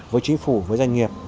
với chính phủ với doanh nghiệp